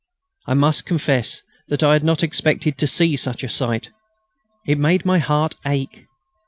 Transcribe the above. I must confess that I had not expected to see such a sight. It made my heart ache.